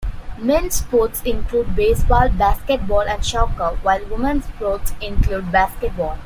Men's sports include baseball, basketball and soccer; while women's sports include basketball.